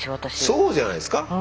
そうじゃないですか？